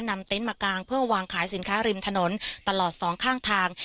เต็นต์มากางเพื่อวางขายสินค้าริมถนนตลอดสองข้างทาง